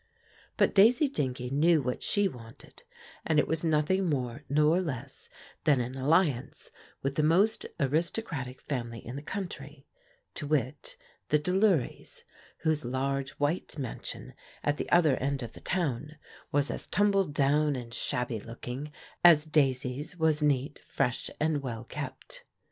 But Daisy Dingee knew what she wanted, and it was nothing more nor less than an alliance with the most aristocratic family in the country, to wit: the Delurys, whose large white mansion at the other end of the town was as tumble down and shabby looking as Daisy's was neat, fresh, and well kept.